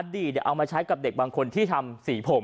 ดีเอามาใช้กับเด็กบางคนที่ทำสีผม